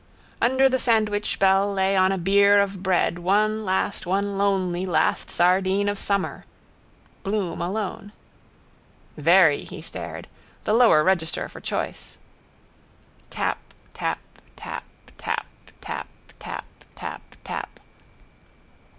Under the sandwichbell lay on a bier of bread one last, one lonely, last sardine of summer. Bloom alone. —Very, he stared. The lower register, for choice. Tap. Tap. Tap. Tap. Tap. Tap. Tap. Tap.